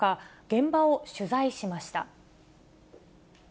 現場を取材しました。